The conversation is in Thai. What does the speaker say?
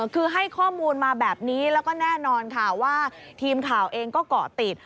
คือให้ข้อมูลมาแบบนี้แล้วก็แน่นอนค่ะว่าทีมข่าวเองก็เกาะติด